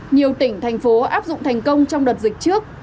nhiều tỉnh thành phố áp dụng thành công trong đợt dịch trước